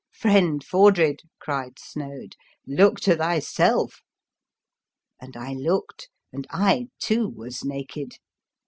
" Friend Fordred," cried Snoad, " look to thyself! " And I looked, and I too was naked